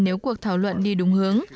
nếu cuộc thảo luận đi đúng hướng